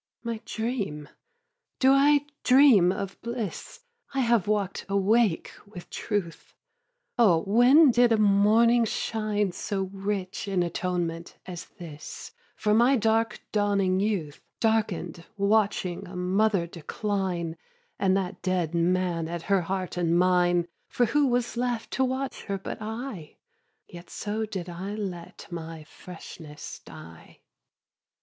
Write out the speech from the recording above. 2. My dream? do I dream of bliss? I have walk'd awake with Truth. O when did a morning shine So rich in atonement as this For my dark dawning youth, Darkened watching a mother decline And that dead man at her heart and mine For who was left to watch her but I? Yet so did I let my freshness die.